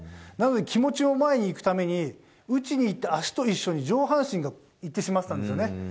なので気持ちが前に行くために打ちにいって足と一緒に上半身がいってしまってたんです。